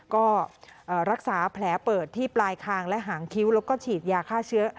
ก็รักษาแผลเปิดที่ปลายคางและหางคิ้วแล้วก็ฉีดยาฆ่าเชื้อ